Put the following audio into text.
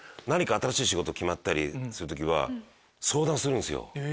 新しい仕事決まったりする時は相談するんすよ。